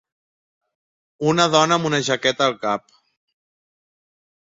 Una dona amb una jaqueta al cap.